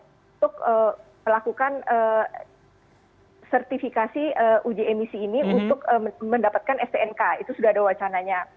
untuk melakukan sertifikasi uji emisi ini untuk mendapatkan stnk itu sudah ada wacananya